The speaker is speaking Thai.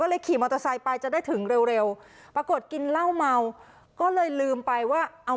เลยขี่มอเตอร์ไซค์ไปจะได้ถึงเร็วปรากฏกินเหล้าเมาก็เลยลืมไปว่าเอา